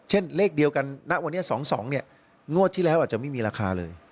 เช่นเลขเดียวกันณวันนี้๒๒เนี่ยงวดที่แล้วอาจจะไม่มีราคาเลย